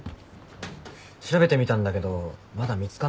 調べてみたんだけどまだ見つかんなくて。